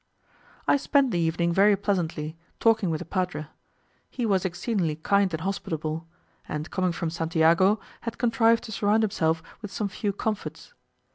I spent the evening very pleasantly, talking with the padre. He was exceedingly kind and hospitable; and coming from Santiago, had contrived to surround himself with some few comforts.